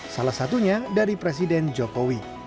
salah satunya dari presiden jokowi